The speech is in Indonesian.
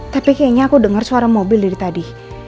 tapi kayaknya aku dengar suara mobil dari tadi